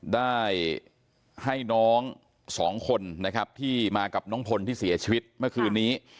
ได้ให้น้องสองคนนะครับที่มากับน้องพลที่เสียชีวิตเมื่อคืนนี้